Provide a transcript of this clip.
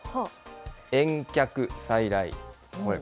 遠客再来。